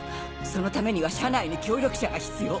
そのためには車内に協力者が必要。